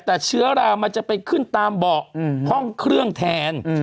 แต่เชื้อรามันจะไปขึ้นตามเบาะห้องเครื่องแทน